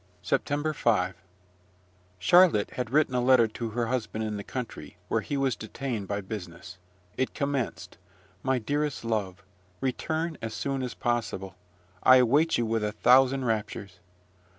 SEPTEMBER 5. Charlotte had written a letter to her husband in the country, where he was detained by business. It commenced, "My dearest love, return as soon as possible: I await you with a thousand raptures."